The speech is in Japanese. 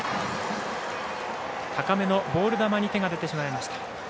高めのボール球に手が出てしまいました。